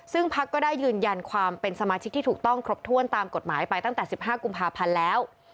ซึ่งพักก็ได้ยืนยันความเป็นสมาชิกที่ถูกต้องครบถ้วนตามกฎหมายไปตั้งแต่๑๕กุมภาพันธ์แล้ว